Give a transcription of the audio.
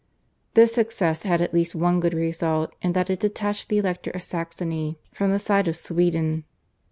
This success had at least one good result in that it detached the Elector of Saxony from the side of Sweden.